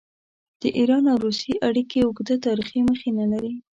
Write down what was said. د ایران او روسیې اړیکې اوږده تاریخي مخینه لري.